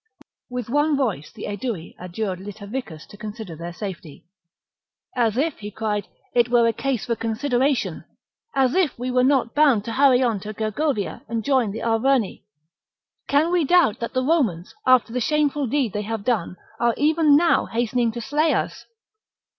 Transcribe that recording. With one voice the Aedui adjured Litaviccus to consider their safety. " As if," he cried, " it were a case for considera tion ! As if we were not bound to hurry on to Gergovia and join the Arverni ! Can we doubt that the Romans, after the shameful deed they have done, are even now hastening to slay us